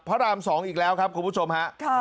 ราม๒อีกแล้วครับคุณผู้ชมฮะ